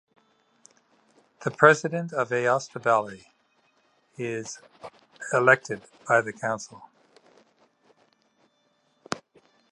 The President of Aosta Valley is elected by the Council.